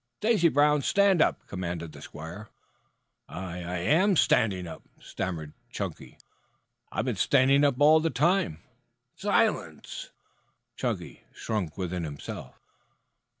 "Stacy Brown, stand up!" commanded the squire. "I I am standing up," stammered Chunky. "I've been standing up all the time." "Silence!" Chunky shrank within himself.